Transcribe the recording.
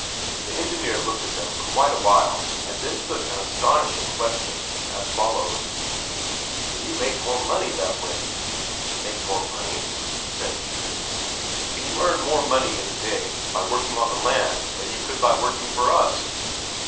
The engineer looked at him for quite a while, and then put an astonishing question, as follows: "Can you make more money that way?" "Make more money?" said Isak. "Can you earn more money in a day by working on the land than you could by working for us?"